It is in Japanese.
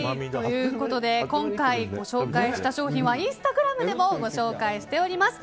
今回、ご紹介した商品はインスタグラムでもご紹介しております。